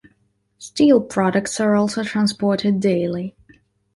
Steel products are also transported daily.